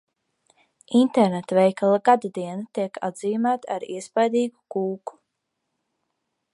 Internetveikala gadadiena tiek atzīmēta ar iespaidīgu kūku.